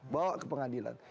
bawa ke pengadilan